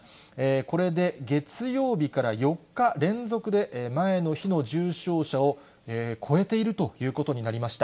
これで月曜日から４日連続で、前の日の重症者を超えているということになりました。